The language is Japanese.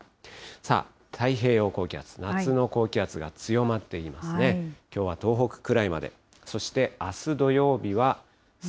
さあ、太平洋高気圧、夏の高気圧が強まっていますね。